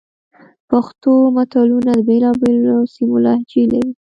پښتو متلونه د بېلابېلو سیمو لهجې لري